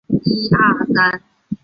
特伦托圣母圣殿。